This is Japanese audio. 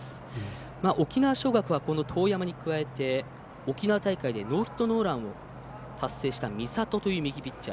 沖縄尚学はこの當山に加えて沖縄大会でノーヒットノーランを達成した美里という右ピッチャー